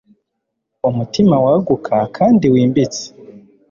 Umutima waguka kandi wimbitse